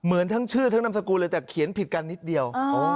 เหมือนทั้งชื่อทั้งนามสกุลเลยแต่เขียนผิดกันนิดเดียว